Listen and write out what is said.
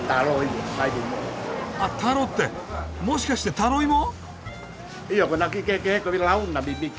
あ「タロ」ってもしかしてタロイモ？